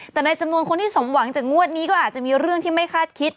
แต่ในจำนวนคนที่สมหวังจากงวดนี้ก็อาจจะมีเรื่องที่ไม่คาดคิด